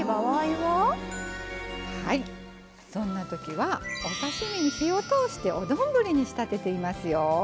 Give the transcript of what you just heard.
はいそんな時はお刺身に火を通してお丼に仕立てていますよ。